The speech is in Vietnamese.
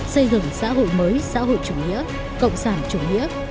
xây dựng xã hội mới xã hội chủ nghĩa cộng sản chủ nghĩa